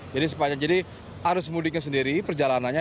jadi sepanjangnya jadi harus mudiknya sendiri perjalanannya